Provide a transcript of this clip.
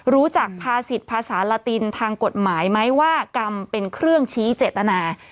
รู้จักภาษิตภาษาลาตินทางกฎหมายไหมว่ากรรมเป็นเครื่องชี้เจตนา